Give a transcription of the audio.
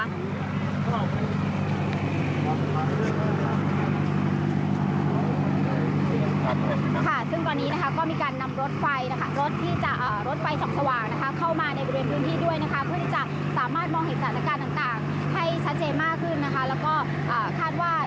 ซึ่งตอนนี้นะคะก็มีการนำรถไฟนะคะรถที่จะรถไฟสว่างนะคะเข้ามา